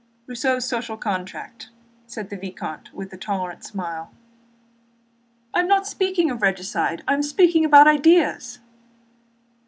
"Rousseau's Contrat Social," said the vicomte with a tolerant smile. "I am not speaking of regicide, I am speaking about ideas."